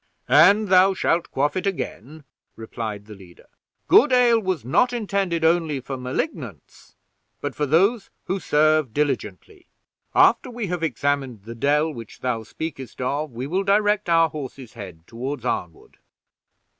"And thou shalt quaff it again," replied the leader. "Good ale was not intended only for Malignants, but for those who serve diligently. After we have examined the dell which thou speakest of, we will direct our horses' heads toward Arnwood."